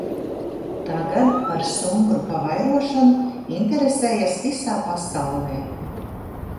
Tagad par sumbru pavairošanu interesējas visā pasaulē.